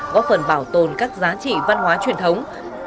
góp phần bảo tồn các giá trị văn hóa truyền thống